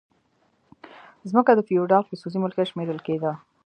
ځمکه د فیوډال خصوصي ملکیت شمیرل کیده.